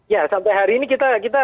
ya sampai hari ini kita